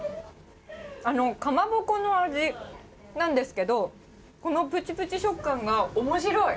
あの、かまぼこの味なんですけど、このプチプチ食感がおもしろい。